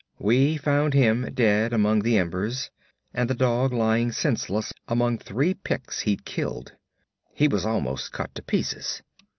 We found him dead among the embers, and the dog lying senseless among three Picts he'd killed. He was almost cut to pieces.